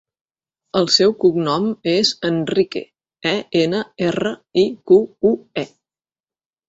El seu cognom és Enrique: e, ena, erra, i, cu, u, e.